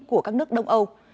của các nước đông âu